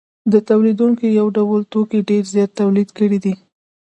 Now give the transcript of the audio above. تولیدونکو یو ډول توکي ډېر زیات تولید کړي دي